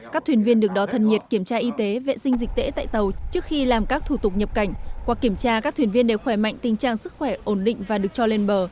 các thuyền viên được đó thân nhiệt kiểm tra y tế vệ sinh dịch tễ tại tàu trước khi làm các thủ tục nhập cảnh qua kiểm tra các thuyền viên đều khỏe mạnh tình trạng sức khỏe ổn định và được cho lên bờ